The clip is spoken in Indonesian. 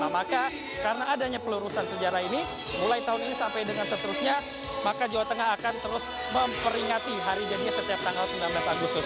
maka karena adanya pelurusan sejarah ini mulai tahun ini sampai dengan seterusnya maka jawa tengah akan terus memperingati hari jadinya setiap tanggal sembilan belas agustus